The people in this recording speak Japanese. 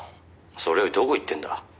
それよりどこ行ってんだ？」